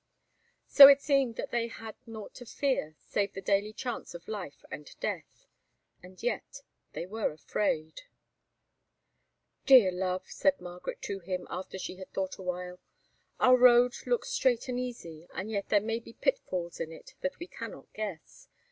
So it seemed that they had naught to fear, save the daily chance of life and death. And yet they were afraid. "Dear love," said Margaret to him after she had thought a while, "our road looks straight and easy, and yet there may be pitfalls in it that we cannot guess.